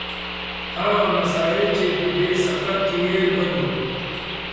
هغه مسایل چې په دې څپرکي کې یې لولو